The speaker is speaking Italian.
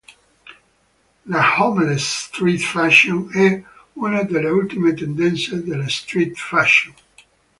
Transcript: La homeless street fashion è una delle ultime tendenze della street fashion.